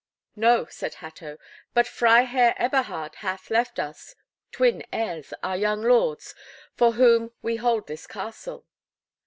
"No," said Hatto, "but Freiherr Eberhard hath left us twin heirs, our young lords, for whom we hold this castle."